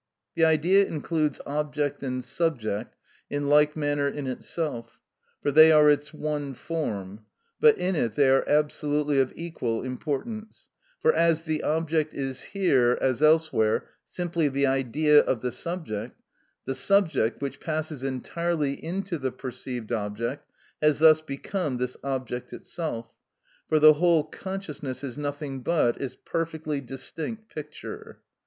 The Idea includes object and subject in like manner in itself, for they are its one form; but in it they are absolutely of equal importance; for as the object is here, as elsewhere, simply the idea of the subject, the subject, which passes entirely into the perceived object has thus become this object itself, for the whole consciousness is nothing but its perfectly distinct picture.